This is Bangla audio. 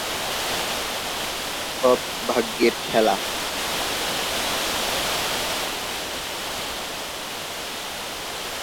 সব ভাগ্যের খেলা।